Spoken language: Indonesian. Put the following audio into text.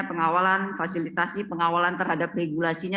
pengawalan fasilitasi pengawalan terhadap regulasinya